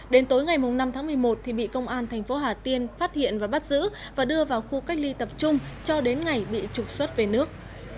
đến tối ngày năm tháng một mươi một thì bị công an thành phố hà tiên phát hiện và bắt giữ và đưa vào khu cách ly tập trung cho đến ngày bị trục xuất về nước